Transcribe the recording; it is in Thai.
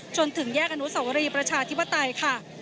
จนถึงแยกอนุสวรีประชาธิปไตยค่ะ